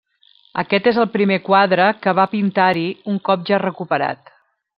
Aquest és el primer quadre que va pintar-hi un cop ja recuperat.